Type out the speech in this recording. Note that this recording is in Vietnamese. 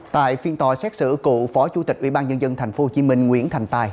tại phiên tòa xét xử cựu phó chủ tịch ubnd tp hcm nguyễn thành tài